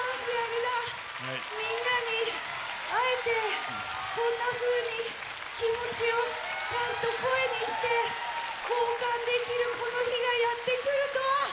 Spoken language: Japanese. みんなに会えてこんなふうに気持ちをちゃんと声にして交換できるこの日がやって来るとは！